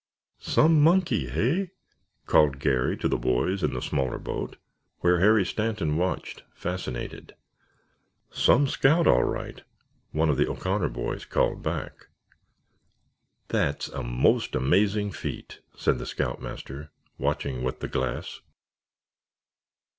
"Some monkey, hey?" called Garry, to the boys in the smaller boat, where Harry Stanton watched, fascinated. "Some scout, all right," one of the O'Connor boys called back. "That's a most amazing feat," said the scoutmaster, watching with the glass.